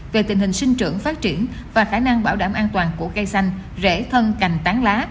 về tình hình sinh trưởng phát triển và khả năng bảo đảm an toàn của cây xanh rễ thân cành tán lá